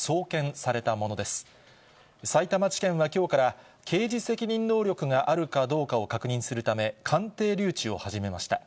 さいたま地検はきょうから、刑事責任能力があるかどうかを確認するため、鑑定留置を始めました。